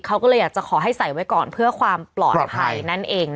เขาก็เลยอยากจะขอให้ใส่ไว้ก่อนเพื่อความปลอดภัยนั่นเอง